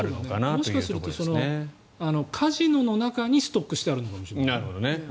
もしかしたらカジノの中にストックしてあるのかもしれない。